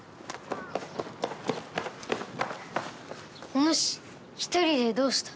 おぬし１人でどうした？